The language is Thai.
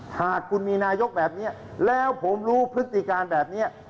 หากคุณมีนายกแบบนี้แล้วผมรู้พฤติการแบบนี้